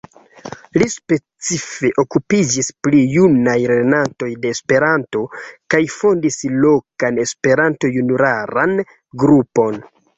Li specife okupiĝis pri junaj lernantoj de Esperanto kaj fondis lokan Esperanto-junularan grupon.